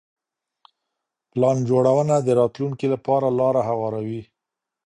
پلان جوړونه د راتلونکي لپاره لاره هواروي.